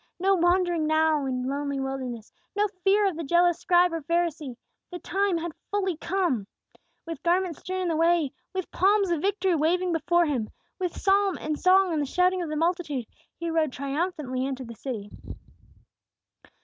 No wandering now in lonely wildernesses! No fear of the jealous scribe or Pharisee! The time had fully come. With garments strewn in the way, with palms of victory waving before Him, with psalm and song and the shouting of the multitude, He rode triumphantly into the city.